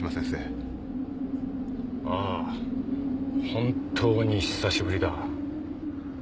本当に久しぶりだ。